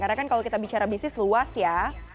karena kan kalau kita bicara bisnis luas ya